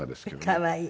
可愛い。